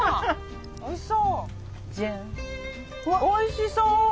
おいしそう。